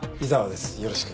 よろしく。